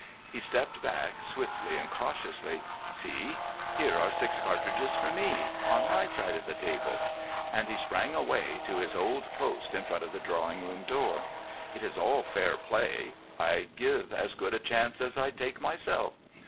He stepped back swiftly and cautiously. "See! Here are six cartridges for me—on my side of the table." And he sprang away, to his old post in front of the drawing room door. "It is all fair play. I give as good a chance as I take myself.